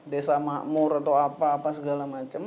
desa makmur atau apa apa segala macam